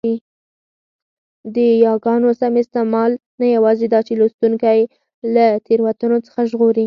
د یاګانو سم استعمال نه یوازي داچي لوستوونکی له تېروتنو څخه ژغوري؛